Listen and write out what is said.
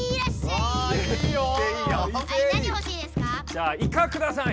じゃあイカください！